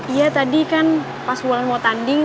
iya tadi kan pas bulan mau tanding